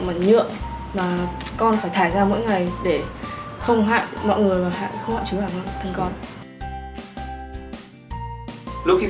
nhưng mà nhựa mà con phải thải ra mỗi ngày để không hại mọi người và không hại chứng bản thân con